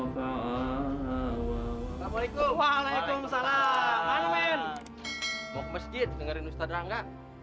masjid dengerin ustadz rangga